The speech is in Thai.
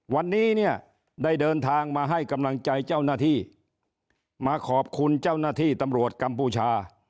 วันนี้เนี่ยได้เดินทางมาให้กำลังใจเจ้าหน้าที่มาขอบคุณเจ้าหน้าที่ตำรวจกัมพูชา